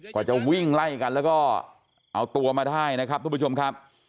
กว่าจะวิ่งไล่กันแล้วก็เอาตัวมาได้นะครับทุกผู้ชมครับ